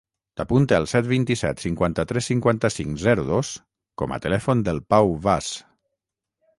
Apunta el set, vint-i-set, cinquanta-tres, cinquanta-cinc, zero, dos com a telèfon del Pau Vaz.